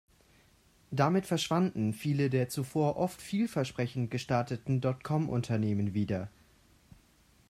Damit verschwanden viele der zuvor oft vielversprechend gestarteten Dotcom-Unternehmen wieder.